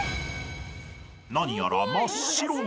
［何やら真っ白に］